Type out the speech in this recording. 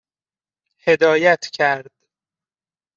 هدایت کرد